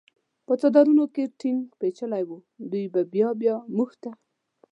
په څادرونو کې ټینګ پېچلي و، دوی بیا بیا موږ ته.